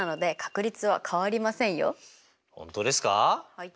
はい。